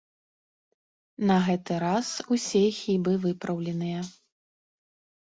На гэты раз усе хібы выпраўленыя.